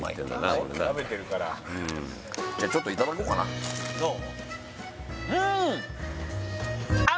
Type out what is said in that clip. これなじゃあちょっといただこうかなどう？